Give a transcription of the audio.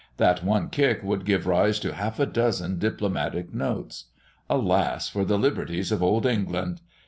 "That one kick would give rise to half a dozen diplomatic notes. Alas, for the liberties of Old England!